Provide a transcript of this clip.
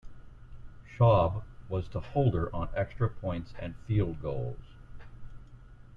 Schaub was the holder on extra points and field goals.